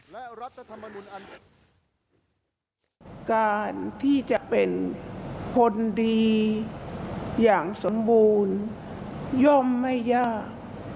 การที่จะเป็นคนดีอย่างสมบูรณ์ย่อมไม่ยาก